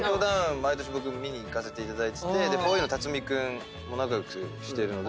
毎年僕見に行かせていただいててふぉゆの辰巳君も仲良くしてるので。